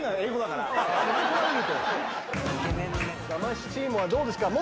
魂チームはどうですか？